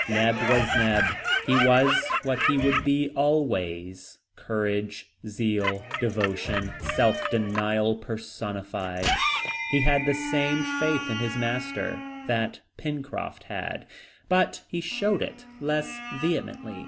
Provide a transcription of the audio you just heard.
Neb was Neb: he was what he would be always, courage, zeal, devotion, self denial personified. He had the same faith in his master that Pencroft had, but he showed it less vehemently.